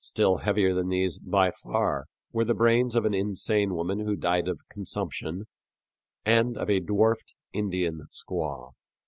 Still heavier than these by far were the brains of an insane woman who died of consumption, and of a dwarfed Indian squaw.